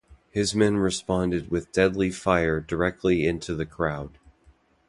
His men responded with deadly fire directly into the crowd.